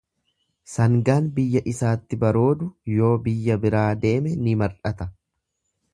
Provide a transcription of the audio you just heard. Sangaan biyya isaatti baroodu yoo biyya biraa deeme ni mar'ata.